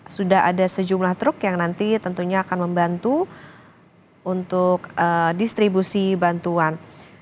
sudah ada sejumlah truk yang nanti tentunya akan membantu untuk distribusi bantuan